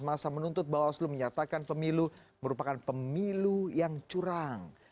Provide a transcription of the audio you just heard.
masa menuntut bawaslu menyatakan pemilu merupakan pemilu yang curang